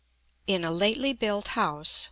In a lately built house, No.